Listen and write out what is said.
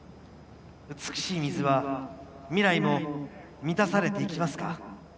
美しい水は未来も満たされていきますか。